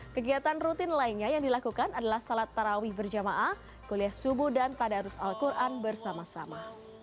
kegiatan rutin lainnya yang dilakukan adalah salat tarawih berjamaah kuliah subuh dan tadarus al quran bersama sama